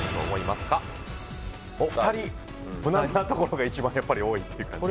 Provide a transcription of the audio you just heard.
２人、無難なところが一番多いという感じで。